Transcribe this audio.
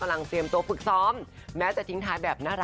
อ่าจริงหรอ